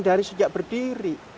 dari sejak berdiri